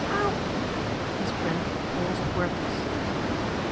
How " Miss Brent paused wordless.